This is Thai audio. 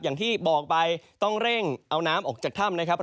อย่างที่บอกไปต้องเร่งเอาน้ำออกจากถ้ำนะครับ